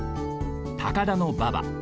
「高田馬場」。